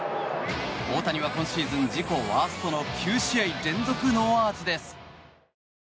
大谷は今シーズン自己ワーストの９試合連続ノーアーチです。